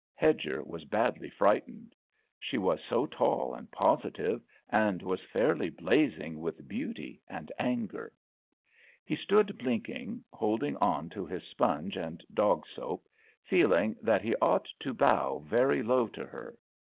Hedger was badly frightened. She was so tall and positive, and was fairly blazing with beauty and anger. He stood blinking, holding on to his sponge and dog soap, feeling that he ought to bow very low to her.